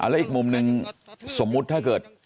แล้วอีกมุมหนึ่งสมมุติถ้าเกิด